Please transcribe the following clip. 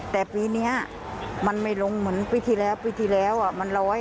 แต่ปีนี้มันไม่ลงเหมือนปีที่แล้วปีที่แล้วมัน๑๐